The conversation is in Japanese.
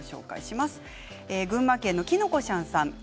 群馬県の方からです。